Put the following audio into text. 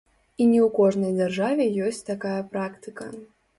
І не ў кожнай дзяржаве ёсць такая практыка.